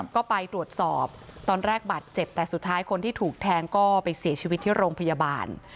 ก็ไปตรวจสอบตอนแรกบาดเจ็บแต่สุดท้ายคนที่ถูกแทงก็ไปเสียชีวิตที่โรงพยาบาล